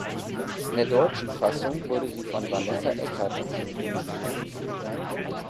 In der deutschen Fassung wurde sie von Vanessa Eckart synchronisiert.